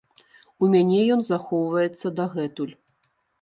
У мяне ён захоўваецца дагэтуль.